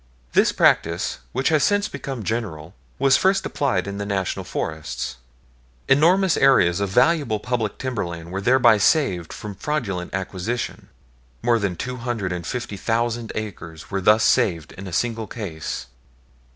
This practice, which has since become general, was first applied in the National Forests. Enormous areas of valuable public timberland were thereby saved from fraudulent acquisition; more than 250,000 acres were thus saved in a single case.